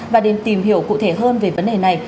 và nên tìm hiểu cụ thể hơn về vấn đề này